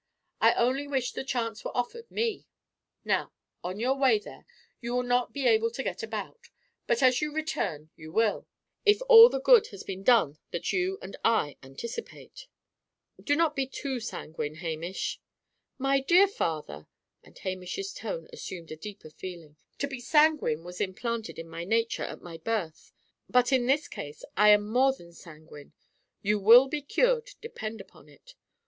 I only wish the chance were offered me! Now, on your way there, you will not be able to get about; but, as you return, you will if all the good has been done you that I anticipate." "Do not be too sanguine, Hamish." "My dear father," and Hamish's tone assumed a deeper feeling, "to be sanguine was implanted in my nature, at my birth: but in this case I am more than sanguine. You will be cured, depend upon it.